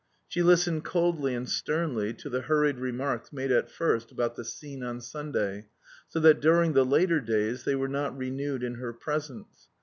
She listened coldly and sternly to the hurried remarks made at first about the scene on Sunday, so that during the later days they were not renewed in her presence.